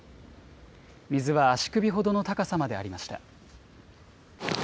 水は足首ほどの高さまでありました。